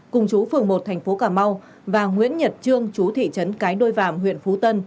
cùng chú phường một tp cm và nguyễn nhật trương chú thị trấn cái đôi vảm huyện phú tân